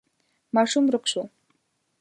ماشوم ورک شو.